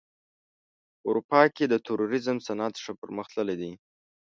په اروپا کې د توریزم صنعت ښه پرمختللی دی.